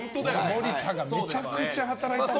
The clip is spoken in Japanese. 森田がめちゃくちゃ働いた。